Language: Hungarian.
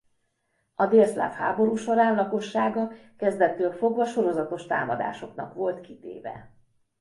A délszláv háború során lakossága kezdettől fogva sorozatos támadásoknak volt kitéve.